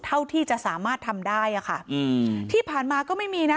เท่าที่จะสามารถทำได้อ่ะค่ะอืมที่ผ่านมาก็ไม่มีนะ